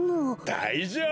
だいじょうぶ！